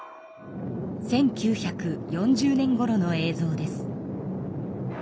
１９４０年ごろの映像です。